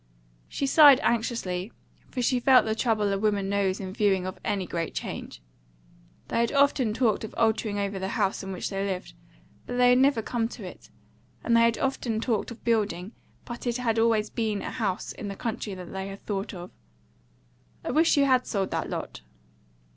She sighed anxiously, for she felt the trouble a woman knows in view of any great change. They had often talked of altering over the house in which they lived, but they had never come to it; and they had often talked of building, but it had always been a house in the country that they had thought of. "I wish you had sold that lot."